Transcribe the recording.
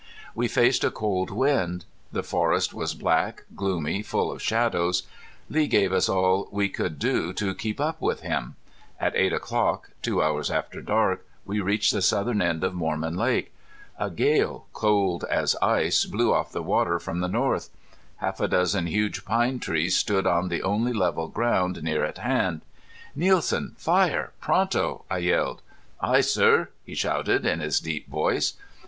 We faced a cold wind. The forest was black, gloomy, full of shadows. Lee gave us all we could do to keep up with him. At eight o'clock, two hours after dark, we reached the southern end of Mormon Lake. A gale, cold as ice, blew off the water from the north. Half a dozen huge pine trees stood on the only level ground near at hand. "Nielsen, fire pronto!" I yelled. "Aye, sir," he shouted, in his deep voice.